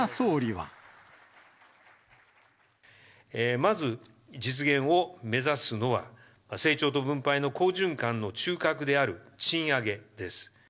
まず実現を目指すのは、成長と分配の好循環の中核である賃上げです。